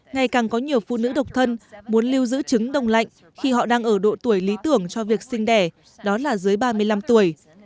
ngày càng có nhiều phụ nữ độc thân muốn lưu giữ trứng đông lạnh khi họ đang ở độ tuổi lý tưởng cho việc sinh đẻ đó là dưới ba mươi năm tuổi